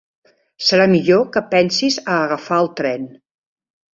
Serà millor que pensis a agafar el tren.